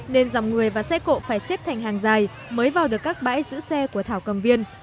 nên dòng người và xe cộ phải xếp thành hàng dài mới vào được các bãi giữ xe của thảo cầm viên